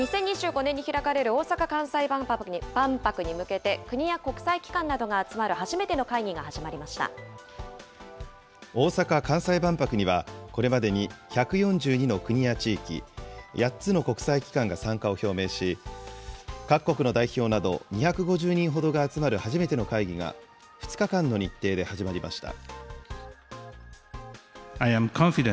２０２５年に開かれる大阪・関西万博に向けて、国や国際機関などが集まる大阪・関西万博には、これまでに１４２の国や地域、８つの国際機関が参加を表明し、各国の代表など２５０人ほどが集まる初めての会議が、２日間の日程で始まりました。